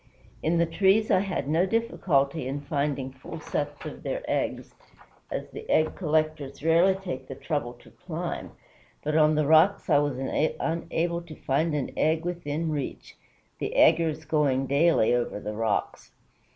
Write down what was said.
"In the trees I had no difficulty in finding full sets of their eggs, as the egg collectors rarely take the trouble to climb, but on the rocks I was unable to find an egg within reach, the 'eggers' going daily over the rocks.